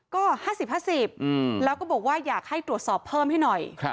ก็๕๐๕๐แล้วก็บอกว่าอยากให้ตรวจสอบเพิ่มให้หน่อย